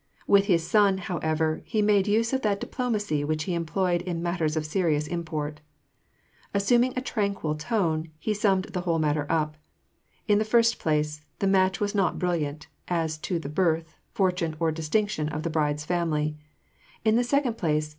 With his son, however, he made use of that diplomacy which he employed in matters of serious import. Assuming a tranquil tone, he summed the whole matter up : In the first place, the match was not brilliant, as to the birth, fortune, or distinction of the bride's family. In the second place.